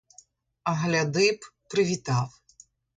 А гляди б, привітав.